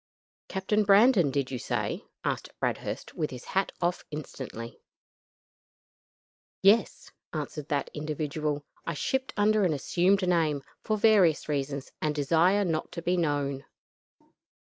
"Captain Brandon, did you say?" asked Bradhurst, with his hat off instantly. "Yes," answered that individual. "I shipped under an assumed name, for various reasons, and desire not to be known.